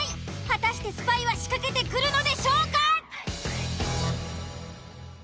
果たしてスパイは仕掛けてくるのでしょうか。